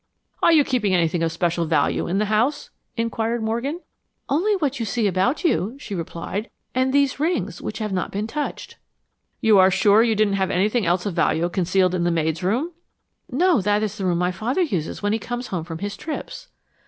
"Are you keeping anything of special value in the house?" inquired Morgan. "Only what you can see about you," she replied "And these rings, which have not been touched." "You are sure you didn't have anything of value concealed in the maid's room?" "No, that's the room my father uses when he comes home from his trips."